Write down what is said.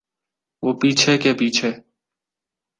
وہ پیچھے کے پیچھے۔